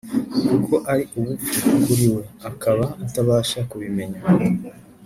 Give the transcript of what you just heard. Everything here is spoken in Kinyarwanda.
kuko ari ubupfu kuri we, akaba atabasha kubimenya,